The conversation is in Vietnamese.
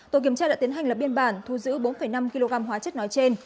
tổ kiểm tra đã tiến hành lập biên bản thu giữ bốn năm kg hóa chất nói trên